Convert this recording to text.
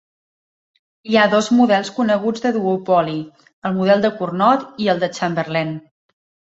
Hi ha dos models coneguts de duopoli, el model de Cournot i el de Chamberlain.